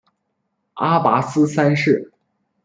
阿拔斯三世。